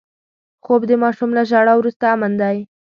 خوب د ماشوم له ژړا وروسته امن دی